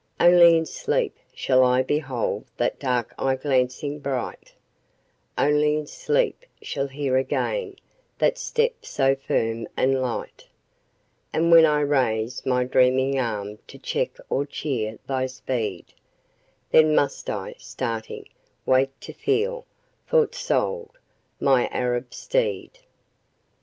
Only in sleep shall I behold that dark eye glancing bright; Only in sleep shall hear again that step so firm and light; And when I raise my dreaming arm to check or cheer thy speed, Then must I, starting, wake to feel thou'rt sold, my Arab steed!